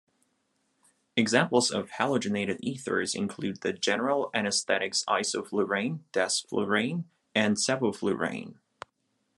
Examples of halogenated ethers include the general anesthetics isoflurane, desflurane, and sevoflurane.